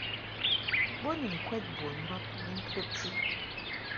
Bo ni ŋkwɛd bon bab ni ŋkɨbti.